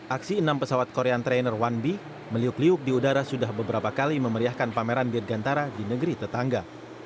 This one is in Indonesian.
aksi enam pesawat korean trainer one b meliuk liuk di udara sudah beberapa kali memeriahkan pameran dirgantara di negeri tetangga